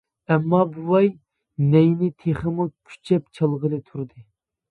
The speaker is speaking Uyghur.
ئەمما بوۋاي نەينى تېخىمۇ كۈچەپ چالغىلى تۇردى.